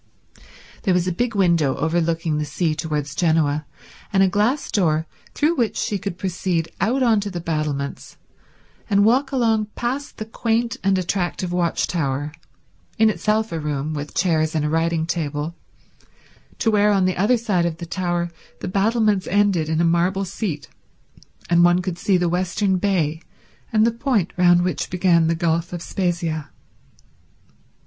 There was a big window overlooking the sea towards Genoa, and a glass door through which she could proceed out on to the battlements and walk along past the quaint and attractive watch tower, in itself a room with chairs and a writing table, to where on the other side of the tower the battlements ended in a marble seat, and one could see the western bay and the point round which began the Gulf of Spezia.